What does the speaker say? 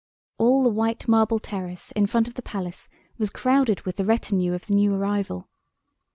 All the white marble terrace in front of the Palace was crowded with the retinue of the new arrival.